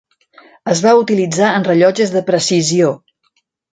Es va utilitzar en rellotges de precisió.